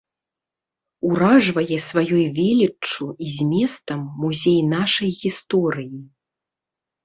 Уражвае сваёй веліччу і зместам музей нашай гісторыі.